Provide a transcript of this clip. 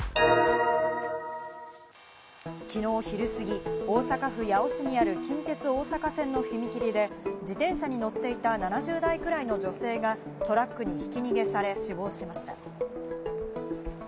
きのう昼すぎ、大阪府八尾市にある近鉄大阪線の踏切で、自転車に乗っていた７０代くらいの女性がトラックにひき逃げされ、死亡しました。